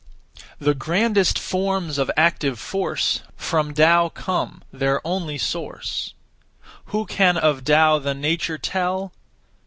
The grandest forms of active force From Tao come, their only source. Who can of Tao the nature tell?